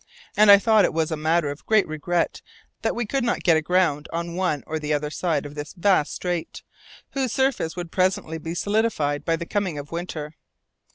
And I thought it was a matter of great regret that we could not get aground on one or the other side of this vast strait, whose surface would presently be solidified by the coming of winter.